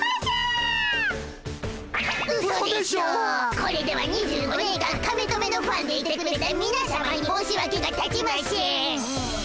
これでは２５年間カメトメのファンでいてくれたみなさまに申しわけがたちましぇん！